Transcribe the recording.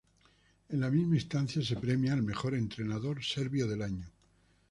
En la misma instancia se premia al Mejor Entrenador Serbio del Año.